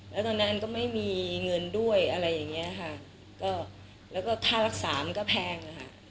แล้วตอนนั้นอันก็ไม่มีเงินด้วยอะไรอย่างเงี้ยค่ะก็แล้วก็ค่ารักษามันก็แพงอะค่ะ